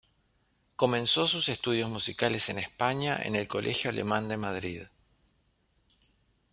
Comenzó sus estudios musicales en España en el Colegio Alemán de Madrid.